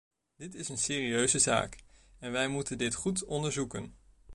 Dit is een serieuze zaak en wij moeten dit goed onderzoeken.